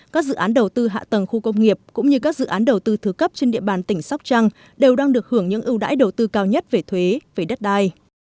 các dự án đầu tư hạ tầng khu công nghiệp cũng như các dự án đầu tư thứ cấp trên địa bàn tỉnh sóc trăng đều đang được hưởng những ưu đãi đầu tư cao nhất về thuế về đất đai